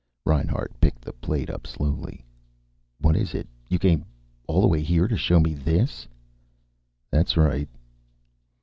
Reinhart picked the plate up slowly. "What is it? You came all the way here to show me this?" "That's right."